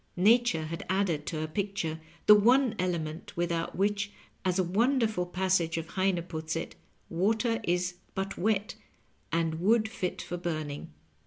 Nature had added to her picture the one element without which, as a wonderful passage of Heine puts it, water is but wet, and wood fit for burn ing.